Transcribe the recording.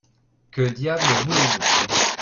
Que diable voulez-vous ?